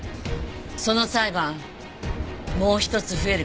その裁判もう一つ増えるかもね。